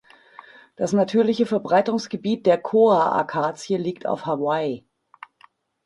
Das natürliche Verbreitungsgebiet der Koa-Akazie liegt auf Hawaii.